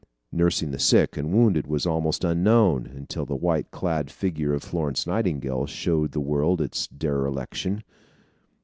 Nursing the sick and wounded was almost unknown, until the white clad figure of Florence Nightingale showed the world its dereliction.